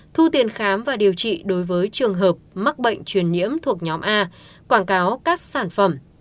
thu tiền khám và điều trị đối với trường hợp mắc bệnh truyền nhiễm thuộc nhóm a quảng cáo các sản phẩm